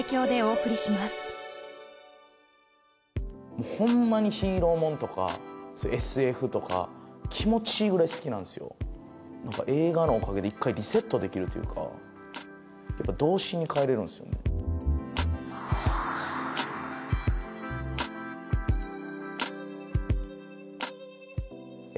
もうホンマにヒーローもんとかＳＦとか気持ちいいぐらい好きなんすよなんか映画のおかげで１回リセットできるというかやっぱ童心に帰れるんですよねえ